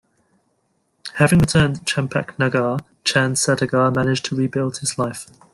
Having returned to Champak Nagar, Chand Sadagar managed to rebuild his life.